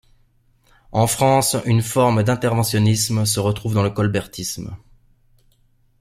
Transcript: En France, une forme d'interventionnisme se retrouve dans le colbertisme.